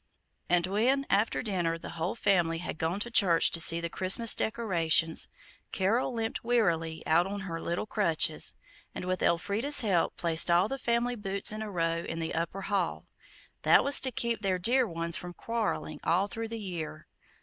And when, after dinner, the whole family had gone to church to see the Christmas decorations, Carol limped wearily out on her little crutches, and, with Elfrida's help, placed all the family boots in a row in the upper hall. That was to keep the dear ones from quarreling all through the year.